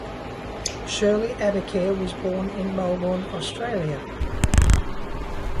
Shirley Abicair was born in Melbourne, Australia.